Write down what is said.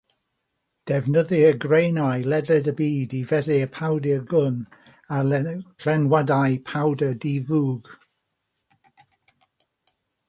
Defnyddir graenau ledled y byd i fesur powdr gwn a llenwadau powdr di-fwg.